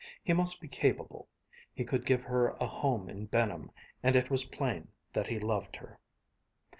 He must be capable; he could give her a home in Benham; and it was plain that he loved her.